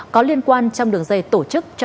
có liên quan trong đường dây tổ chức